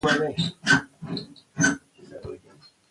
حل لا نه دی موندل سوی.